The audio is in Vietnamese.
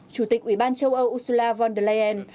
chủ tịch ủy ban châu âu ursula von der leyen